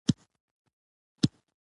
د پرېکړو بې ثباتي زیان رسوي